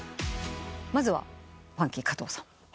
まずはファンキー加藤さん。